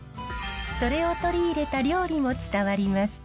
それを取り入れた料理も伝わります。